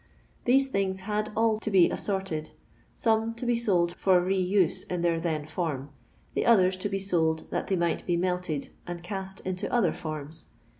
These thii^ had all to be assorted; some to be sold lor f»4ue in their then form ; the others to be sold that they might be melted and cast into other fatma.